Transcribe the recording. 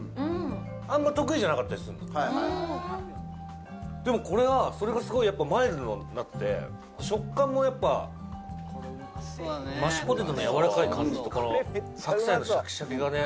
あんま得意じゃなかったりすんのでもこれはそれがすごいマイルドになって食感もやっぱマッシュポテトの柔らかい感じとこの白菜のシャキシャキがね